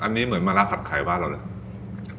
อันนี้เหมือนมะละผัดไข่บ้านเราเลย